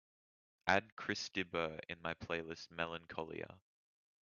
add Chris de Burgh in my playlist melancholia